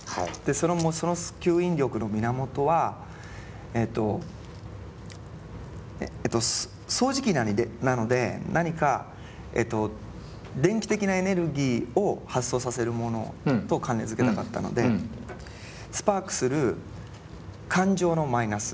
その吸引力の源はえっと掃除機なので何かえっと電気的なエネルギーを発想させるものと関連づけたかったので「スパークする感情のマイナス」